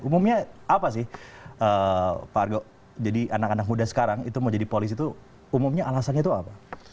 umumnya apa sih pak argo jadi anak anak muda sekarang itu mau jadi polisi itu umumnya alasannya itu apa